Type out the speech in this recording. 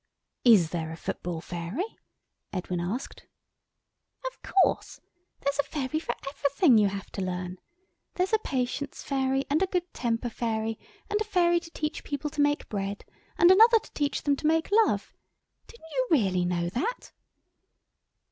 "Is there a Football Fairy?" Edwin asked. "Of course. There's a fairy for everything you have to learn. There's a Patience Fairy, and a Good temper Fairy, and a Fairy to teach people to make bread, and another to teach them to make love. Didn't you really know that?"